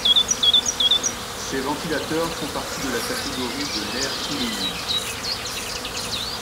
Ces ventilateurs font partie de la catégorie de l'aircooling.